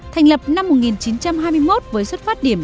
thành lập năm một nghìn chín trăm hai mươi một với xuất phát điểm